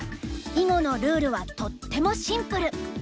囲碁のルールはとってもシンプル。